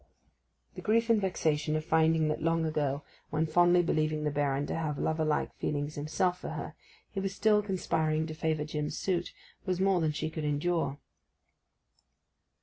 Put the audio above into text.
The grief and vexation of finding that long ago, when fondly believing the Baron to have lover like feelings himself for her, he was still conspiring to favour Jim's suit, was more than she could endure.